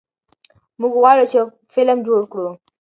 موږ غواړو چې یو فلم جوړ کړو.